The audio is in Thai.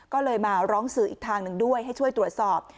ก็เลยมาร้องสื่ออีกทางหนึ่งด้วยให้ช่วยตรวจสอบ